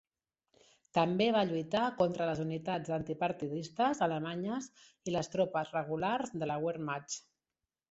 També va lluitar contra les unitats anti-partidistes alemanyes i les tropes regulars de la Wehrmacht.